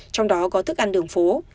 trong đó có thức ăn đường phố